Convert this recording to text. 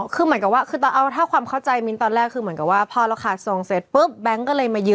อ๋อคือเหมือนกันว่าถ้าเอาในความเข้าใจมินทร์ตอนแรกคือเหมือนกันว่าพ่อฤคษาส่องเสร็จปุ๊บแบงค์ก็เลยมายึด